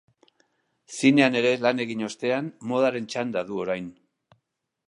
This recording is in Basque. Zinean ere lan egin ostean, modaren txanda du orain.